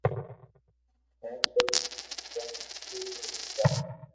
ھي ڪوئي ني ھين ڪوم ادھورو رئي جائي